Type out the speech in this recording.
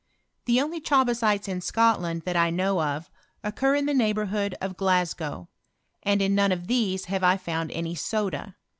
The only chabasites in Scotland, that I know of, occur in the neighbourhood of Glasgow ; and in none of these have I found any soda.